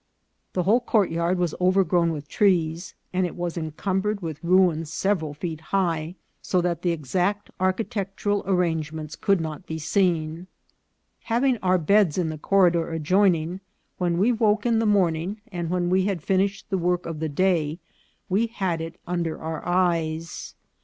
The whole courtyard was overgrown with trees, and it was encumbered with ruins several feet high, so that the exact architectural arrangements could not be seen. Having our beds in the corridor adjoining, when we woke in the morning, and when we had finished the work of the day, we had it under our eyes.